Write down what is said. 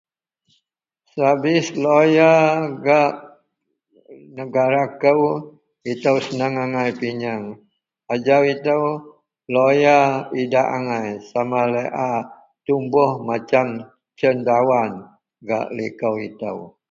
Sevis loya gak negara kou ito seneng angai pinyeng ajau ito loya idak angai sama laei a tumboh macam cendawan gak liko ito.